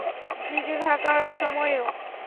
নিচে থাকার সময়েও।